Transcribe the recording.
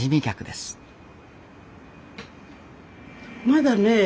まだね